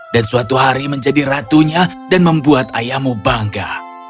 dan suatu hari menjadi ratunya dan membuat ayamu bangga